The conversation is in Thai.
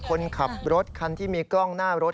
คนขับรถคันที่มีกล้องหน้ารถ